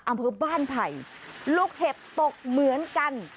อำเภอบ้านไผ่ลูกเห็บตกเหมือนกัน